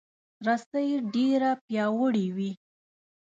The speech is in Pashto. رسۍ ډیره پیاوړې وي.